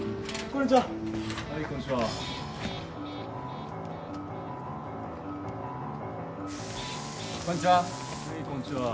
こんにちは。